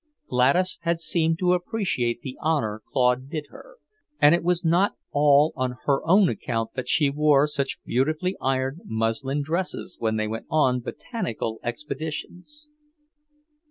Gladys had seemed to appreciate the honour Claude did her, and it was not all on her own account that she wore such beautifully ironed muslin dresses when they went on botanical expeditions.